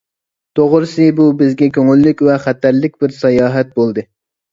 توغرىسى بۇ بىزگە كۆڭۈللۈك ۋە خەتەرلىك بىر ساياھەت بولدى.